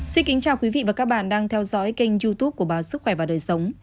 xin kính chào quý vị và các bạn đang theo dõi kênh youtube của báo sức khỏe và đời sống